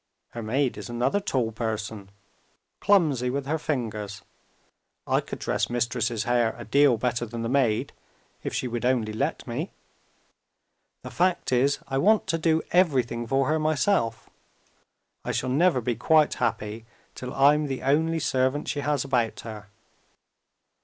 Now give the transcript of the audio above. Her maid is another tall person; clumsy with her fingers. I could dress Mistress's hair a deal better than the maid, if she would only let me. The fact is, I want to do everything for her myself. I shall never be quite happy till I'm the only servant she has about her."